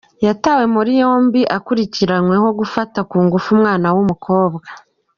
Yatawe muri yombi akurikiranyweho gufata ku ngufu umwana w’umukobwa